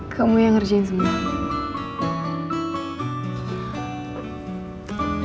kamu yang ngerjain semua